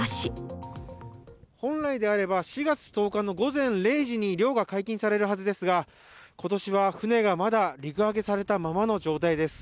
本来であれば４月１０日の午前０時に漁が解禁される予定ですが、今年は船がまだ陸揚げされたままの状態です。